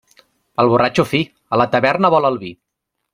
El borratxo fi, a la taverna vol el vi.